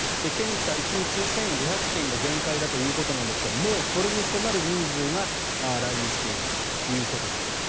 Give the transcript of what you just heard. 検査１日１５００件が限界だということですがそれに迫る人数が来院しているということです。